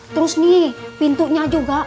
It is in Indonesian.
terus nih pintunya juga